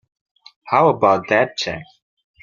How about that check?